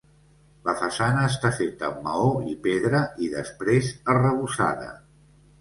La façana està feta amb maó i pedra i després arrebossada.